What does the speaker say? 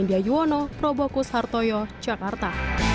india yuwono probokus hartoyo jakarta